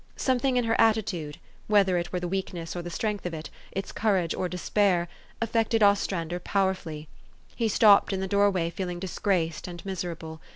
Something in her attitude whether it were the weakness or the strength of it, its courage or despair affected Ostrander powerfully. He stopped in the door way, feeling disgraced and miserable.